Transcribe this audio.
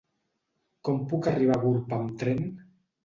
Com puc arribar a Gurb amb tren?